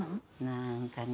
何かね